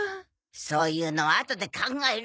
そういうのはあとで考える。